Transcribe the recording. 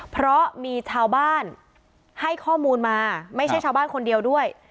เพราะมีชาวบ้านให้ข้อมูลมาไม่ใช่ชาวบ้านคนเดียวด้วย